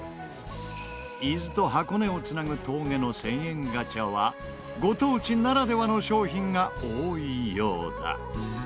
伊豆と箱根を繋ぐ峠の１０００円ガチャはご当地ならではの商品が多いようだ。